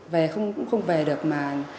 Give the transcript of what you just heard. về cũng không về được mà